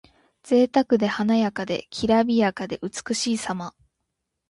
ぜいたくで華やかで、きらびやかで美しいさま。